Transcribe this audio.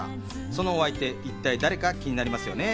そのお相手一体誰か気になりますよね？